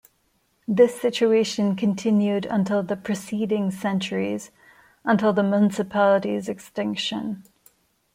This situation continued until the preceding centuries, until the municipality's extinction.